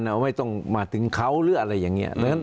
เราไม่ต้องมาถึงเขาหรืออะไรอย่างนี้